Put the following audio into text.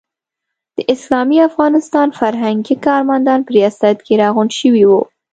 د اسلامي افغانستان فرهنګي کارمندان په ریاست کې راغونډ شوي وو.